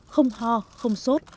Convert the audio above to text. không ho không bệnh